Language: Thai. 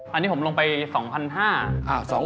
อันนี้ผมลงไป๒๕๐๐อ้าว๒๕๐๐อีกอย่าง